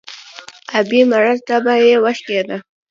ـ ابۍ مړه تبه يې وشکېده.